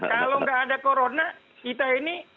kalau nggak ada corona kita ini